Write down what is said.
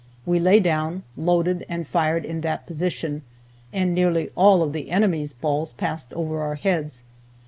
We lay down, loaded and fired in that position, and nearly all of the enemy's balls passed over our heads.